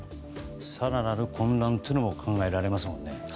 更なる混乱というのも考えられますもんね。